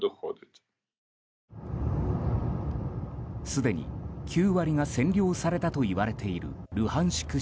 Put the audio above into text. すでに９割が占領されたといわれているルハンシク